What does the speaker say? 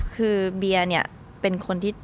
คือเบียร์เนี่ยเป็นคนที่